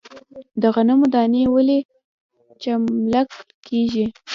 د غنمو دانه ولې چملک کیږي؟